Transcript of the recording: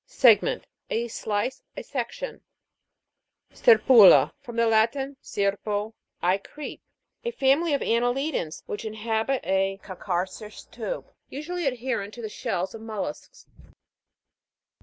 SEG'MENT. A slice, a section. SER'PULA. From the Latin, serpo, 1 creep. A family of anne'lidans, which inhabit a calcareous tube, usually adherent to the shells of mollusks.